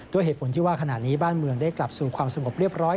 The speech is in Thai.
ด้วยเหตุผลที่ว่าขณะนี้บ้านเมืองได้กลับสู่ความสงบเรียบร้อย